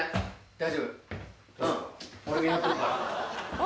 大丈夫か？